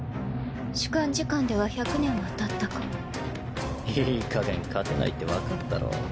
主観時間では１００年はたっいいかげん勝てないって分かったろ